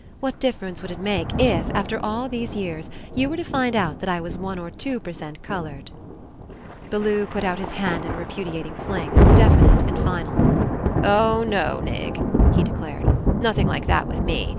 What difference would it make if, after all these years, you were to find out that I was one or two per cent coloured?" Bellew put out his hand in a repudiat ing fling, definite and final. "Oh, no. Nig," he declared, "nothing like that with me.